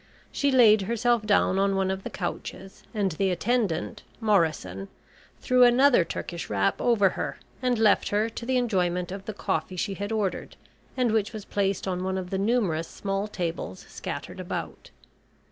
She laid herself down on one of the couches, and the attendant, Morrison, threw another Turkish wrap over her, and left her to the enjoyment of the coffee she had ordered, and which was placed on one of the numerous small tables scattered about.